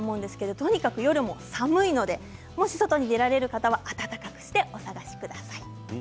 とにかく寒いので外に出られる方は暖かくしてお過ごしください。